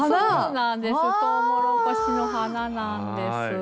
「トウモロコシの花」なんです。